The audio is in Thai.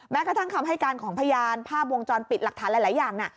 กระทั่งคำให้การของพยานภาพวงจรปิดหลักฐานหลายอย่าง